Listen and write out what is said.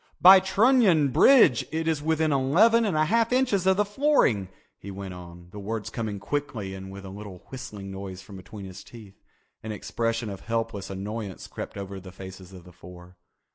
"By Trunion bridge it is within eleven and a half inches of the flooring," he went on, the words coming quickly and with a little whistling noise from between his teeth. An expression of helpless annoyance crept over the faces of the four.